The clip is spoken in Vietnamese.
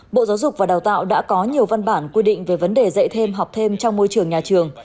bộ giáo dục và đào tạo đã có nhiều văn bản quy định về vấn đề dạy thêm học thêm trong môi trường nhà trường